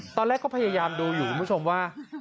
ตอนแรกก็พยายามดูอยู่คุณผู้ชมว่า